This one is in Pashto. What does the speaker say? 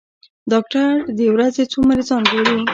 ډاکټر د ورځې څو مريضان ګوري؟